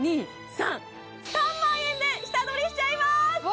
１２３３万円で下取りしちゃいます！